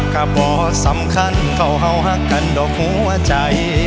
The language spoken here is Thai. ก็บอกสำคัญเขาเห่าหักกันดอกหัวใจ